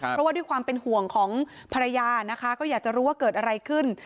เพราะว่าด้วยความเป็นห่วงของภรรยานะคะก็อยากจะรู้ว่าเกิดอะไรขึ้น